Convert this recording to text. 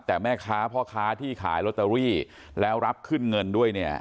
แต่แม่ค้าพ่อค้าที่ขายลอตเตอรี่แล้วรับขึ้นเงินด้วยเนี่ย